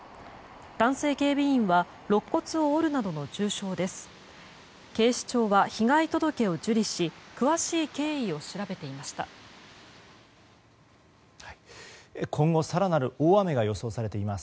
男性警備員は肋骨を折るなどの重傷です。